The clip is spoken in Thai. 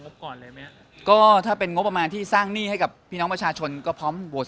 ก่อนเลยไหมก็ถ้าเป็นงบประมาณที่สร้างหนี้ให้กับพี่น้องประชาชนก็พร้อมโหวต